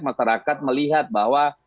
masyarakat melihat bahwa